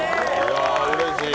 うれしい。